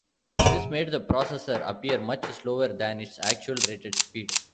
This made the processor appear much slower than its actual rated speed.